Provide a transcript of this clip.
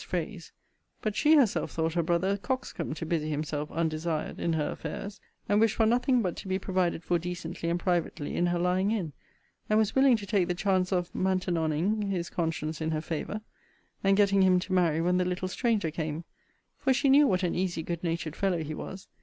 's phrase: but she herself thought her brother a coxcomb to busy himself undesired in her affairs, and wished for nothing but to be provided for decently and privately in her lying in; and was willing to take the chance of Maintenon ing his conscience in her favour,* and getting him to marry when the little stranger came; for she knew what an easy, good natured fellow he was.